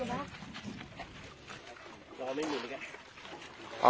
สวัสดีทุกคน